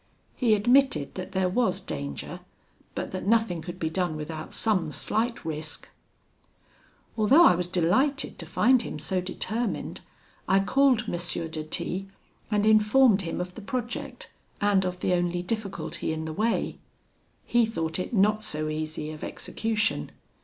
He admitted that there was danger, but that nothing could be done without some slight risk. "Although I was delighted to find him so determined, I called M. de T , and informed him of the project, and of the only difficulty in the way. He thought it not so easy of execution.